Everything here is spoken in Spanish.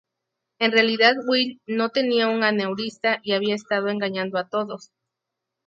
En realidad Will no tenía un aneurisma y había estado engañando a todos.